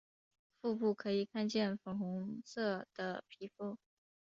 腹部可以看见粉红色的皮肤。